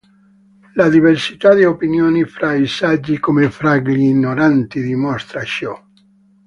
La diversità di opinioni fra i saggi come fra gli ignoranti, dimostra ciò.